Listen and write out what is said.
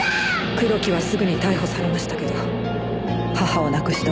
黒木はすぐに逮捕されましたけど母を亡くした